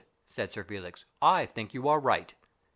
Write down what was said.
said Sir Felix, "I think you are right."